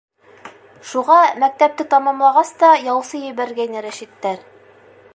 Шуға мәктәпте тамамлағас та яусы ебәргәйне Рәшиттәр.